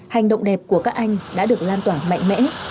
hành động đẹp của các anh đã được lan tỏa mạnh mẽ